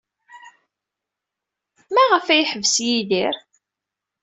Maɣef ay yeḥbes Yidir?